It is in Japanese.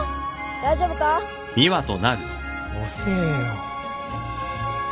大丈夫か？遅えよ。